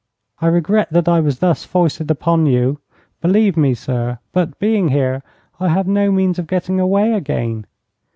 "I regret that I was thus foisted upon you, believe me, sir; but, being here, I have no means of getting away again.